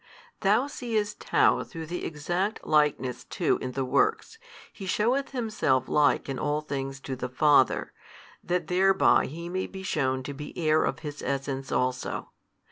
Thou seest how through the exact likeness too in the works, He sheweth Himself like in all things to the Father, that thereby He may be shewn to be Heir of His Essence also.